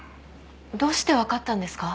どうして分かったんですか？